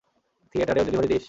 থিয়েটারেও delivery this?